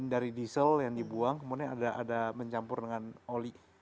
dari diesel yang dibuang kemudian ada mencampur dengan oli